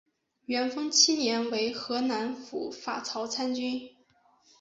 元丰七年为河南府法曹参军。